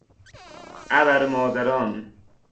ابرمادران